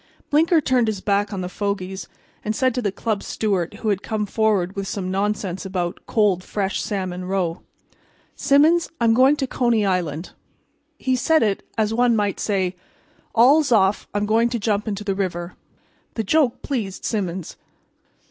Blinker turned his back on the fogies, and said to the club steward who had come forward with some nonsense about cold fresh salmon roe: "Symons, I'm going to Coney Island." He said it as one might say: "All's off; I'm going to jump into the river." The joke pleased Symons.